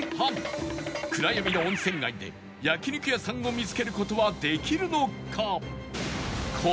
暗闇の温泉街で焼肉屋さんを見つける事はできるのか？